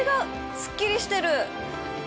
すっきりしてる。